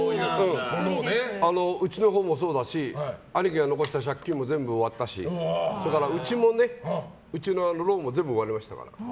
うちのもそうだし兄貴が残した借金も全部終わったしそれから家のローンも全部終わりましたから。